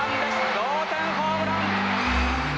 同点ホームラン。